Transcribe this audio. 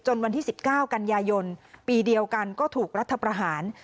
วันที่๑๙กันยายนปีเดียวกันก็ถูกรัฐประหาร